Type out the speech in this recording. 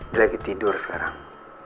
dia lagi tidur sekarang